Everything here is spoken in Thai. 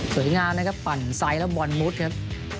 สวยงามนะครับปั่นไซส์แล้วบอลมุดครับ